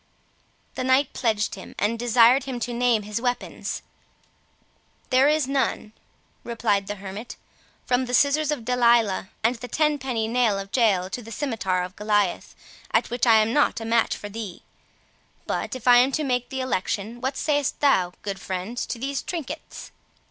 The knight pledged him, and desired him to name his weapons. "There is none," replied the hermit, "from the scissors of Delilah, and the tenpenny nail of Jael, to the scimitar of Goliath, at which I am not a match for thee—But, if I am to make the election, what sayst thou, good friend, to these trinkets?"